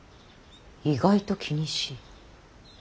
意外と気にしい。